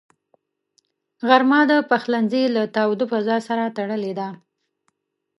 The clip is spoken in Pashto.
غرمه د پخلنځي له تاوده فضاء سره تړلې ده